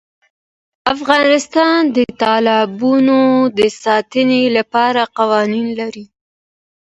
افغانستان د تالابونو د ساتنې لپاره قوانین لري.